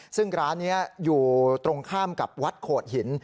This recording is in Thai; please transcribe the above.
ซึ่งร้านนี้อยู่ตรงข้ามกับวัดโขดหิน